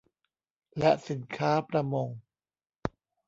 และสินค้าประมง